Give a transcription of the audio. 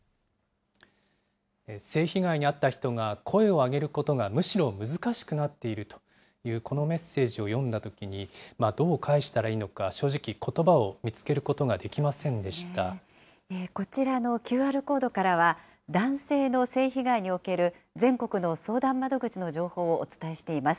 性被害に遭った人が声を上げることがむしろ難しくなっているという、このメッセージを読んだときに、どう返したらいいのか、正直、ことばを見つけることができませんこちらのＱＲコードからは、男性の性被害における全国の相談窓口の情報をお伝えしています。